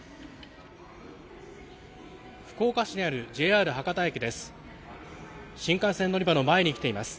福岡市にあるＪＲ博多駅です。